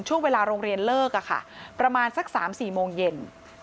ช่วงเวลาโรงเรียนเลิกประมาณสัก๓๔โมงเย็น